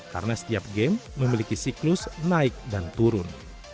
karena setiap game memiliki siklus naik dan turun